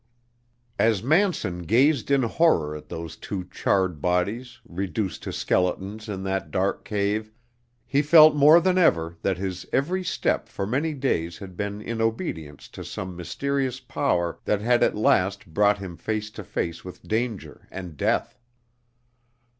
As Manson gazed in horror at those two charred bodies reduced to skeletons in that dark cave, he felt more than ever that his every step for many days had been in obedience to some mysterious power that had at last brought him face to face with danger and death.